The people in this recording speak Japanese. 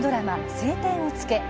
「青天を衝け」。